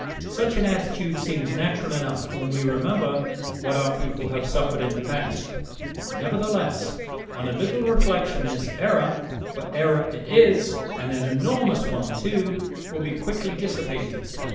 Such an attitude seems natural enough when we remember what our people have suffered in the past. Nevertheless, on a little reflection, this error for error it is, and an enormous one, too will be quickly dissipated.